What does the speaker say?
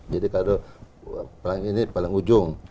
jadi kalau ini paling ujung